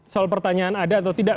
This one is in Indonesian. soal pertanyaan ada atau tidak